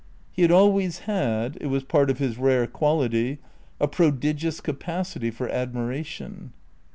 He had always had (it was part of his rare quality) a prodigious capacity for admiration.